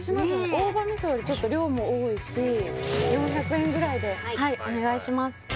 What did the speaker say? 大葉みそよりちょっと量も多いし４００円ぐらいでお願いします